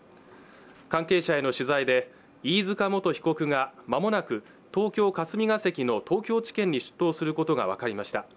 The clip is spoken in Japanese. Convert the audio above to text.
関係者への取材で飯塚元被告がまもなく東京霞が関の東京地検に出頭することが分かりました